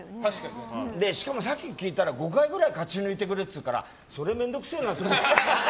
しかも５回ぐらい勝ち抜いてくれっていうからそれ、面倒くせえなと思って。